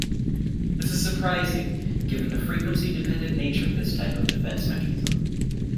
This is surprising given the frequency-dependent nature of this type of defense mechanism.